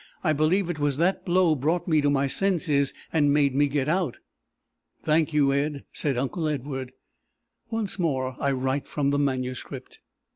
I believe it was that blow brought me to my senses, and made me get out!" "Thank you, Ed!" said uncle Edward. Once more I write from the manuscript.